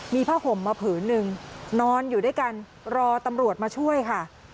มีผ้าห่มมาผืนหนึ่งนอนอยู่ด้วยกันรอตำรวจมาช่วยค่ะ